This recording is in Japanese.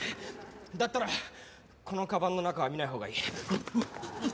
だったらこのカバンの中は見ないほうがいい。